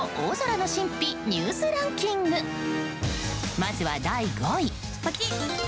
まずは、第５位。